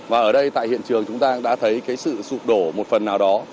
và ở đây tại hiện trường chúng ta đã thấy sự sụp đổ một phần nào đó